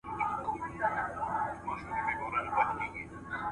تعلیم د تيارو په وړاندي روڼا ده.